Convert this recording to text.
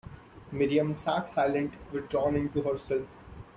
Miriam sat silent, withdrawn into herself.